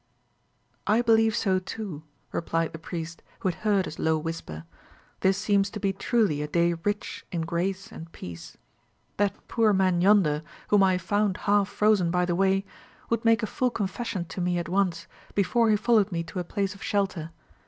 "I believe so too," replied the priest, who had heard his low whisper; "this seems to be truly a day rich in grace and peace. That poor man yonder, whom I found half frozen by the way, would make a full confession to me at once, before he followed me to a place of shelter.